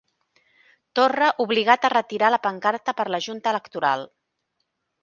Torra obligat a retirar la pancarta per la junta electoral